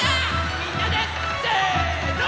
みんなでせの！